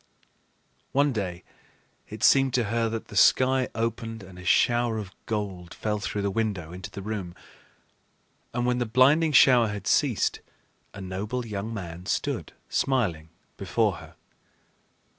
One day it seemed to her that the sky opened and a shower of gold fell through the window into the room; and when the blinding shower had ceased, a noble young man stood smiling before her.